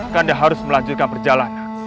kanda harus melanjutkan perjalanan